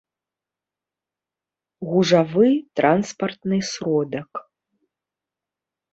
гужавы транспартны сродак